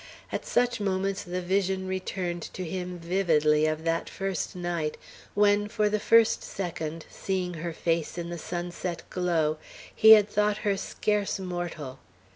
At such moments the vision returned to him vividly of that first night when, for the first second, seeing her face in the sunset glow, he had thought her scarce mortal.